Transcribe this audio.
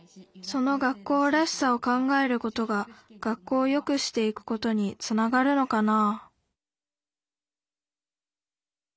その学校らしさを考えることが学校をよくしていくことにつながるのかな？